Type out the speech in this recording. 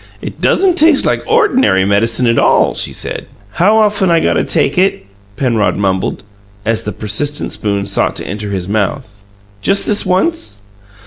It doesn't taste like ordinary medicine at all,' she said." "How often I got to take it?" Penrod mumbled, as the persistent spoon sought to enter his mouth. "Just this once?"